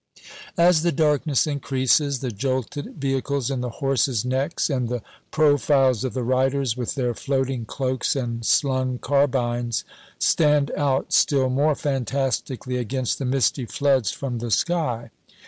As the darkness increases, the jolted vehicles and the horses' necks and the profiles of the riders with their floating cloaks and slung carbines stand out still more fantastically against the misty floods from the sky.